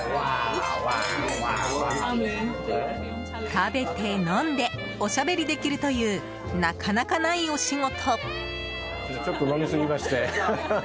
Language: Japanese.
食べて飲んでおしゃべりできるというなかなかないお仕事。